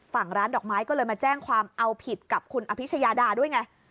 ฝั่งร้านดอกไม้ก็เลยมาแจ้งความเอาผิดกับคุณอภิชยาดาด้วยไง